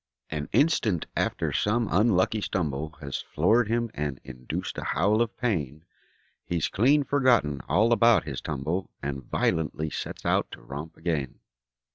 An instant after some unlucky stumble Has floored him and induced a howl of pain, He's clean forgotten all about his tumble And violently sets out to romp again.